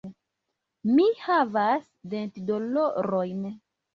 Mi havas dentdolorojn.